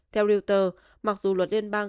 theo reuters mặc dù luật liên bang